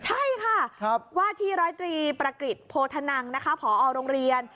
ใช่ค่ะว่าที่๑๐๓ประกฤษโพธนังผอโรงเรียน